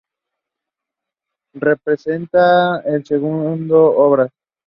Representa el segundo Obras.